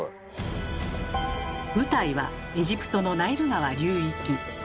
舞台はエジプトのナイル川流域。